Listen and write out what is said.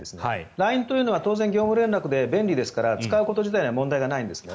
ＬＩＮＥというのは当然、業務連絡で便利ですから使うこと自体は問題ないんですね。